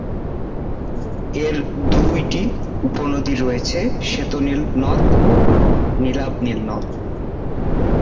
এর দুইটি উপনদী রয়েছে, শ্বেত নীল নদ ও নীলাভ নীল নদ।